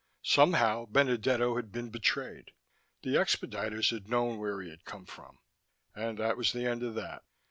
Somehow Benedetto had been betrayed; the expediters had known where he had come from. And that was the end of that.